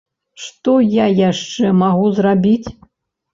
Што я яшчэ магу зрабіць?